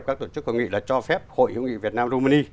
các tổ chức hội hữu nghị đã cho phép hội hữu nghị việt nam romani